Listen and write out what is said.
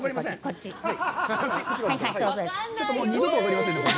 ちょっと二度と分かりませんね。